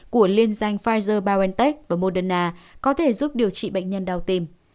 của liên danh pfizer biontech và moderna có thể giúp điều trị bệnh nhân đau tim